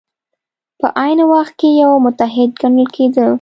په عین وخت کې یو متحد ګڼل کېده.